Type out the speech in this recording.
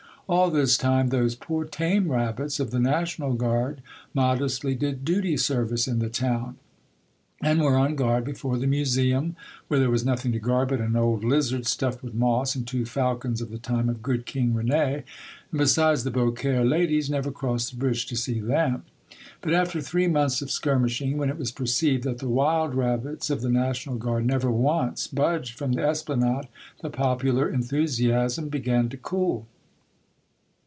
All this time, those poor tame rabbits of the national guard modestly did duty service in the town, and were on guard before the museum, where there was nothing to guard but an old lizard stuffed with moss, and two falcons of the time of good King Rene; and besides, the Beaucaire ladies never crossed the bridge to see them ! But after three months of skirmishing, when it was perceived that the wild rabbits of the national guard never once budged from the Esplanade, the popular enthusiasm began to cool.